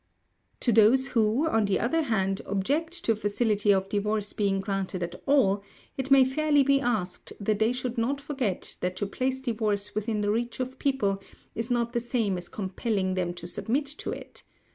To those who, on the other hand, object to facility of divorce being granted at all, it may fairly be asked that they should not forget that to place divorce within the reach of people, is not the same as compelling them to submit to it.